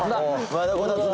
またこたつだ。